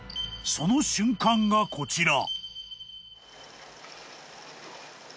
［その瞬間がこちら］